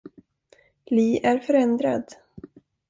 Lee är förändrad.